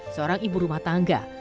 seorang ibu rumah tangga